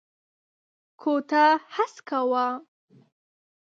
کوټه هسکه وه.